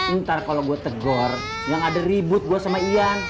entar kalo gue tegor yang ada ribut gue sama ian